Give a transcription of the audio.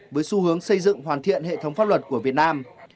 với xu hướng xây dựng hoàn thiện hệ thống pháp luật của việt nam